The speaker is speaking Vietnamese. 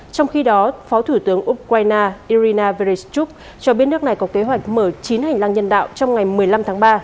trong khi đó phó thủ tướng ukraine irina ve stub cho biết nước này có kế hoạch mở chín hành lang nhân đạo trong ngày một mươi năm tháng ba